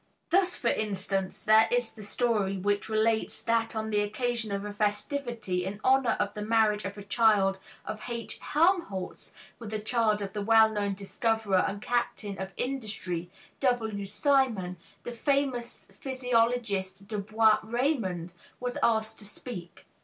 Thus, for instance, there is the story which relates that on the occasion of a festivity in honor of the marriage of a child of H. Helmholtz with a child of the well known discoverer and captain of industry, W. Siemon, the famous physiologist Dubois Reymond was asked to speak.